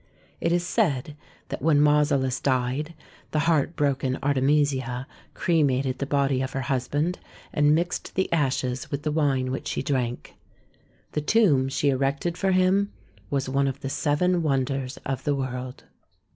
It is said that when Mausolus died the heart broken Artemisia cremated the body of her husband, and mixed the ashes with the wine which she drank. The tomb she erected for him was one of the Seven Wonders of the World.